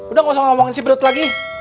udah gak usah ngomongin si perut lagi